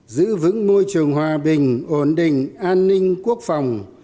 giữ vững môi trường hòa bình ổn định an ninh quốc phòng